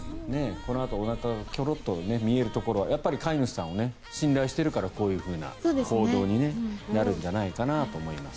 このあと、おなかがキョロッと見えるところは飼い主さんを信頼しているからこういうふうな行動になるんじゃないかなと思います。